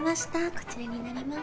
こちらになります。